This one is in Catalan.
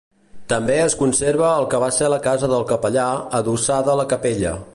També es conserva el que va ser la casa del capellà, adossada a la capella.